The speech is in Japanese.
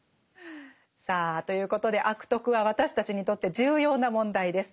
さあということで「悪徳」は私たちにとって重要な問題です。